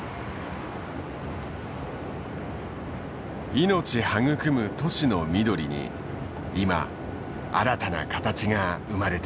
命育む都市の緑に今新たな形が生まれている。